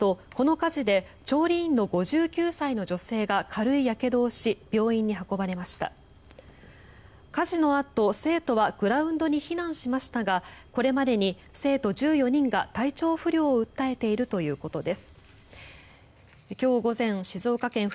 火事のあと、生徒はグラウンドに避難しましたがこれまでに生徒１４人が体調不良を訴えているということです。